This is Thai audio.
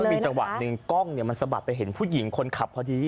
แล้วมันมีจังหวะนึงกล้องเนี่ยมันสะบัดไปเห็นผู้หญิงคนขับพอดี